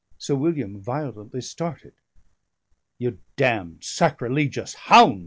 Sir William violently started. "You damned sacrilegious hound!"